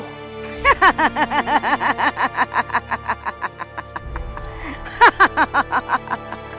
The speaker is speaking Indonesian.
dia telah membunuh kedua muridku